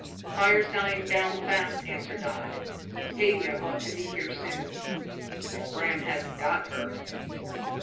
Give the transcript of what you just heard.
"Fire's dying down fast," answered Dodd. "Haidia ought to be here soon." "If Bram hasn't got her."